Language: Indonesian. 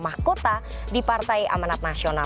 sebagai putra mahkota di partai amanat nasional